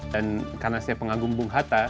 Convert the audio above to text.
dan karena saya pengagum bung hatta